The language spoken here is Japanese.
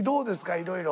いろいろ。